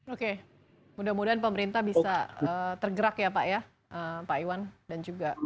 oke mudah mudahan pemerintah bisa tergerak ya pak ya pak iwan dan juga